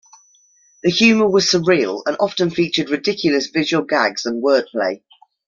The humour was surreal and often featured ridiculous visual gags and wordplay.